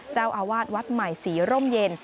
เจ้าอาวาสวัดใหม่ศรีร่มเย็น